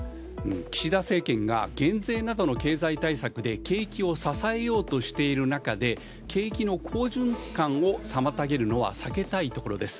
岸田政権が減税などの経済対策で景気を支えようとしている中で景気の好循環を妨げるのは避けたいところです。